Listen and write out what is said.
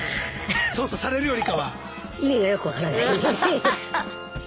意味がよく分からない。